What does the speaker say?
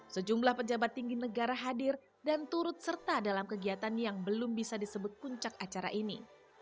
sejumlah pejabat tinggi negara hadir dan turut serta dalam kegiatan yang belum bisa disebut puncak acara ini